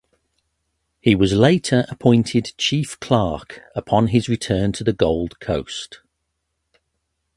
He was later appointed Chief Clerk upon his return to the Gold Coast.